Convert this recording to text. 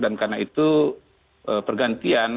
dan karena itu pergantian